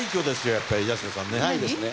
やっぱり八代さんね。